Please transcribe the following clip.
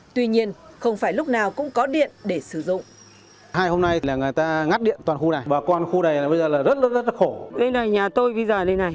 tuy nhiên không phải lúc nào cũng có điện để sử dụng